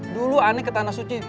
dulu ani ke tanah suci